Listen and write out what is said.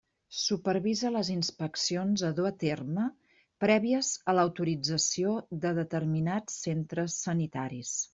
Supervisa les inspeccions a dur a terme, prèvies a l'autorització de determinats centres sanitaris.